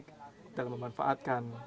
kita akan memanfaatkan